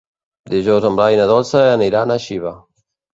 Dijous en Blai i na Dolça aniran a Xiva.